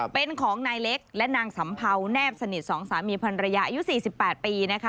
เป็นของนายเล็กและนางสัมเภาแนบสนิท๒สามีพันรยาอายุ๔๘ปีนะคะ